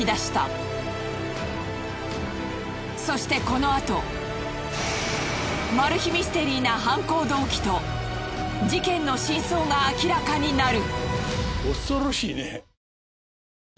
そしてこのあとマル秘ミステリーな犯行動機と事件の真相が明らかになる。